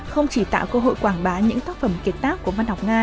không chỉ tạo cơ hội quảng bá những tác phẩm kiệt tác của văn học nga